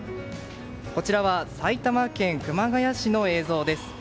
こちらは埼玉県熊谷市の映像です。